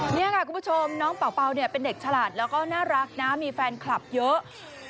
นี่ค่ะคุณผู้ชมน้องเป่าเนี่ยเป็นเด็กฉลาดแล้วก็น่ารักนะมีแฟนคลับเยอะ